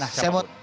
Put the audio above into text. nah saya mau